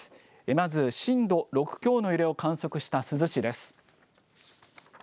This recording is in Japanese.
まず震度６強の揺れを観測した珠洲市です。